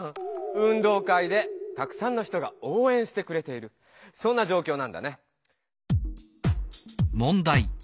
運動会でたくさんの人がおうえんしてくれているそんなじょうきょうなんだね。